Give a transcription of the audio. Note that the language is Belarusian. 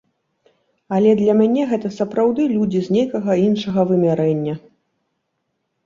Але для мяне гэта сапраўды людзі з нейкага іншага вымярэння.